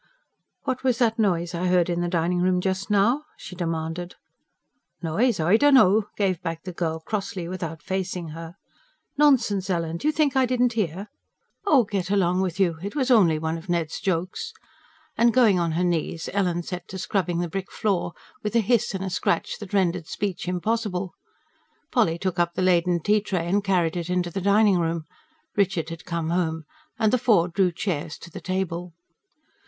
"What was that noise I heard in the dining room just now?" she demanded. "Noise? I dunno," gave back the girl crossly without facing her. "Nonsense, Ellen! Do you think I didn't hear?" "Oh, get along with you! It was only one of Ned's jokes." And going on her knees, Ellen set to scrubbing the brick floor with a hiss and a scratch that rendered speech impossible. Polly took up the laden tea tray and carried it into the dining room. Richard had come home, and the four drew chairs to the table.